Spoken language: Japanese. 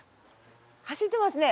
走ってますね。